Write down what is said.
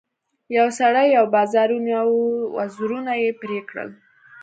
یو سړي یو باز ونیو او وزرونه یې پرې کړل.